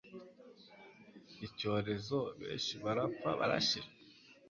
icyorezo, benshi barapfa barashira.